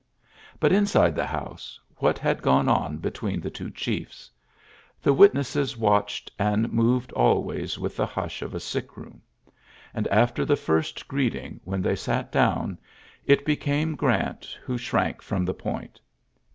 '' But, inside the house, what had gone ? on between the two chiefet The wit j nesses watched and moved always with the hush of a sick room. And after the * first greeting, when they sat down, it j^became Grant who shrank from the loint.